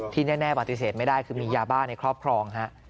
แน่ปฏิเสธไม่ได้คือมียาบ้าในครอบครองฮะ